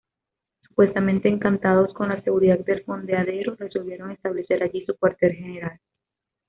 Supuestamente encantados con la seguridad del fondeadero resolvieron establecer allí su cuartel general.